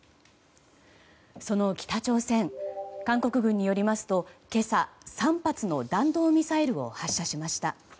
その北朝鮮、韓国軍によりますと今朝、３発の弾道ミサイルを発射しました。